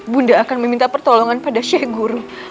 bunda akan meminta pertolongan pada sheikh guru